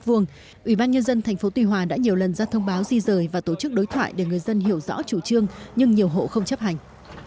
ubnd tp tuy hòa đã nhiều lần ra thông báo di rời và tổ chức đối thoại để người dân hiểu rõ chủ trương nhưng nhiều hộ không chấp hành